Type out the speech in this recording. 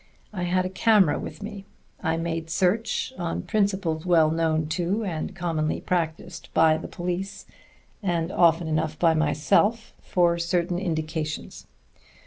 I had a camera with me. I made search, on principles well known to and commonly practised by the police, and often enough by myself, for certain indications.